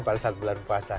pada saat bulan puasa